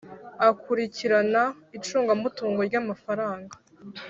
Akurikirana icungamutungo ry’amafaranga